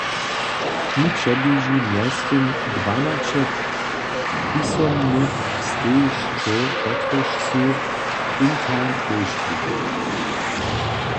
Mi předleži mjeztym dwanaće pisomnych stejišćow, kotrež su intern dóšli.